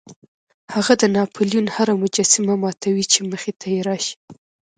هغه د ناپلیون هره مجسمه ماتوي چې مخې ته راشي.